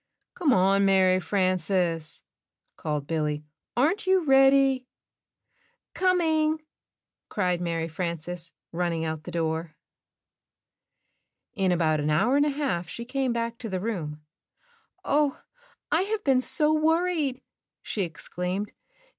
"Come on, Mary Frances," called Billy, "aren't you ready?" "Coming," cried Mary Frances, running out the door. you: In about an hour and a half she came back to the room. "Oh, I have been so worried!" she exclaimed.